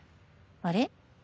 あれ？